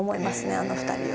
あの２人は。